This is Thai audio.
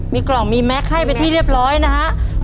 มีกล่องมีแม็กซให้เป็นที่เรียบร้อยนะครับ